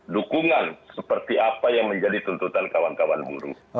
dukungan seperti apa yang menjadi tuntutan kawan kawan buruh